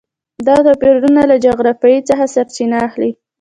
دا توپیرونه له جغرافیې څخه سرچینه اخلي.